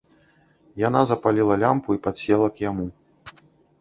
Яна запаліла лямпу і падсела к яму.